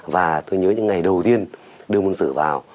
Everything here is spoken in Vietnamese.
và tôi nhớ những ngày đầu tiên đưa môn sử vào